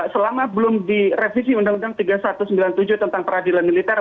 selama belum direvisi undang undang tiga ribu satu ratus sembilan puluh tujuh tentang peradilan militer